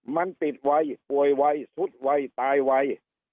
มันติดไวป่วยไวสุดไวตายไว